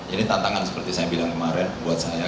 ini tantangan seperti saya bilang kemarin buat saya